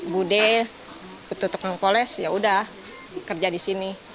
budi betul betul kekoles yaudah kerja di sini